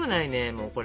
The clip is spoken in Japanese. もうこれ。